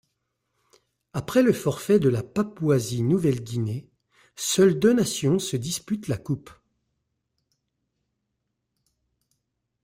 Après le forfait de la Papouasie-Nouvelle-Guinée, seules deux nations se disputent la coupe.